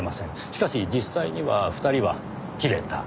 しかし実際には２人は切れた。